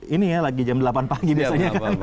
ini ya lagi jam delapan pagi biasanya kan